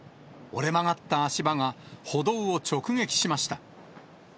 折れ曲がった足場が歩道を直撃しました。